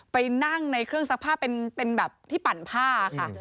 ไปนั่งในเครื่องซักผ้าเป็นแบบที่ปั่นผ้าค่ะ